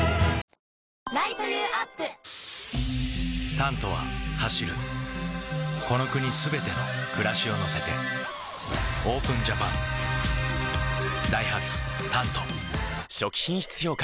「タント」は走るこの国すべての暮らしを乗せてＯＰＥＮＪＡＰＡＮダイハツ「タント」初期品質評価